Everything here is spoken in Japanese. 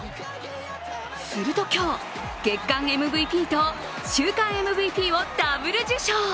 すると今日、月間ＭＶＰと週間ＭＶＰをダブル受賞。